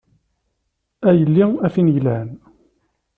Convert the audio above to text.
A yelli a tin yelhan.